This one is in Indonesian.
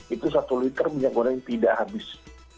itu satu liter minyak goreng tidak habis